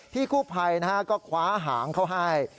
พี่คู่ภัยนะฮะก็คว้าหางเขาให้